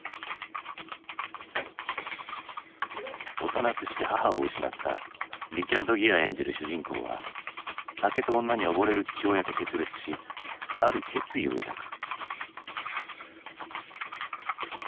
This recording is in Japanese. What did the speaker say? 幼くして母を失ったリチャード・ギア演じる主人公は酒と女に溺れる父親と決別しある決意を抱く。